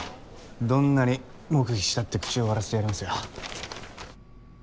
どんなに黙秘したって口を割らせてやりますよ。